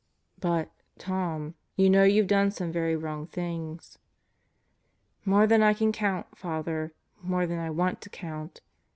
"But, Tom, you know you've done some very wrong things " "More than I can count, Father! More than I want to count.